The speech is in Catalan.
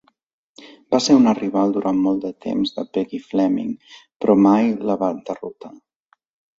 Va ser una rival durant molt de temps de Peggy Fleming, però mai la va derrotar.